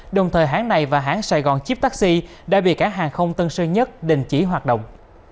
đồng thời hãng này và hãng sài gòn chip taxi đã bị cảng hàng không tân sơn nhất đình chỉ hoạt động